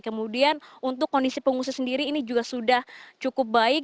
kemudian untuk kondisi pengungsi sendiri ini juga sudah cukup baik